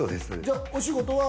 お仕事は？